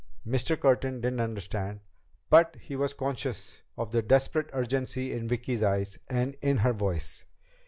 Mr. Curtin didn't understand. But he was conscious of the desperate urgency in Vicki's eyes, and in her voice.